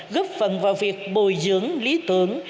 góp phần vào việc bồi dưỡng lý tưởng